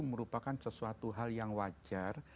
merupakan sesuatu hal yang wajar